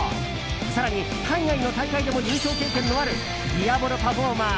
更に海外の大会でも優勝経験のあるディアボロパフォーマー